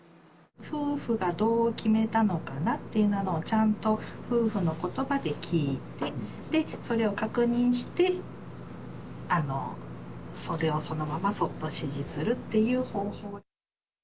夫婦がどう決めたのかなっていうのを、ちゃんと夫婦のことばで聞いて、それを確認して、それをそのままそっと支持するっていう方法。